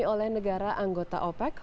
oleh negara anggota opec